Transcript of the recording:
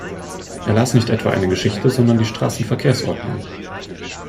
Er las nicht etwa eine Geschichte, sondern die Straßenverkehrsordnung.